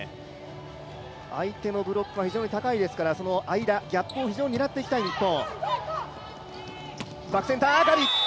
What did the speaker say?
相手のブロックが非常に高いですから、その間、ギャップを非常に狙っていきたい日本。